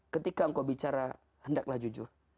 ketika engkau bicara hendaklah jujur